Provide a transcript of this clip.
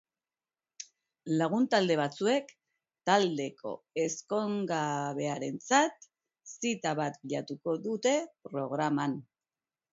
Lagun-talde batzuek taldeko ezkongabearentzat zita bat bilatuko dute programan.